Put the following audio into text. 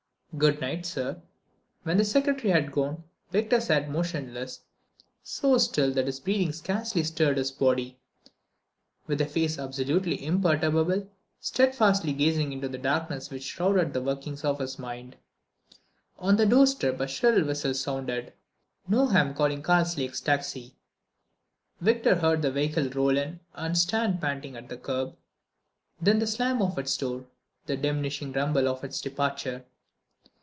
"Good night, sir." When the secretary had gone, Victor sat motionless, so still that his breathing scarcely stirred his body, with a face absolutely imperturbable, steadfastly gazing into that darkness which shrouded the workings of his mind. On the doorstep a shrill whistle sounded: Nogam calling Karslake's taxi. Victor heard the vehicle roll in and stand panting at the curb, then the slam of its door, the diminishing rumble of its departure.